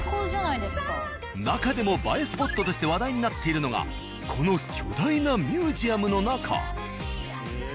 なかでも映えスポットとして話題になっているのがこの巨大なミュージアムの中。